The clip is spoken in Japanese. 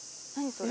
それ。